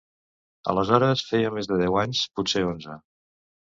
Aleshores, feia més de deu anys... potser onze!